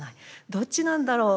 どっちなんだろう？